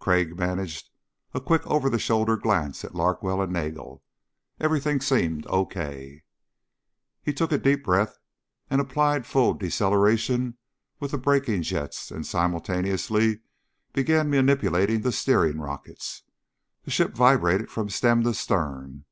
Crag managed a quick over the shoulder glance at Larkwell and Nagel. Everything seemed okay. He took a deep breath and applied full deceleration with the braking jets and simultaneously began manipulating the steering rockets. The ship vibrated from stem to stern.